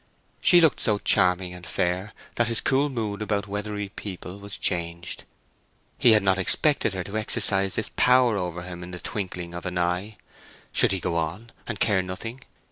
She looked so charming and fair that his cool mood about Weatherbury people was changed. He had not expected her to exercise this power over him in the twinkling of an eye. Should he go on, and care nothing?